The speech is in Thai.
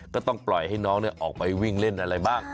ก็ต้องปล่อยให้น้องออกไปวิ่งเล่นอะไรบ้าง